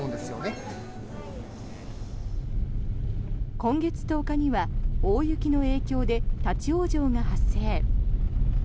今月１０日には大雪の影響で立ち往生が発生。